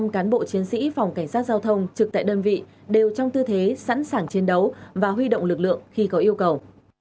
một trăm linh cán bộ chiến sĩ phòng cảnh sát giao thông trực tại đơn vị đều trong tư thế sẵn sàng chiến đấu và huy động lực lượng khi có yêu cầu